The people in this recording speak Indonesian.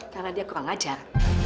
karena dia kurang ajar